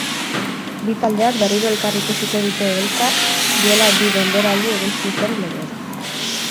Bi taldeak berriro elkar ikusiko dute elkar duela bi denboraldi egin zuten legez.